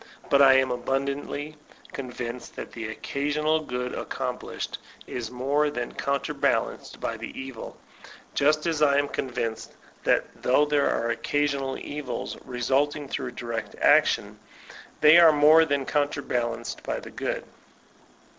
But I am abundantly convinced that the occasional good accomplished is more than counterbalanced by the evil; just as I am convinced that though there are occasional evils resulting from direct action, they are more than counterbalanced by the good.